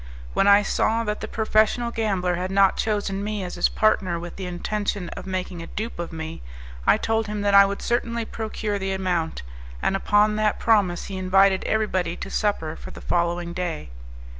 When I saw that the professional gambler had not chosen me as his partner with the intention of making a dupe of me, I told him that I would certainly procure the amount, and upon that promise he invited everybody to supper for the following day.